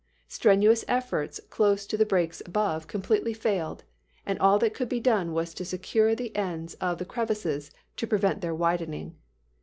Strenuous efforts to close the breaks above completely failed; and all that could be done was to secure the ends of the crevasses to prevent their widening.